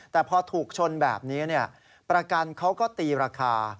แต่พอถูกชนแบบนี้ประกันเขาก็ตีราคา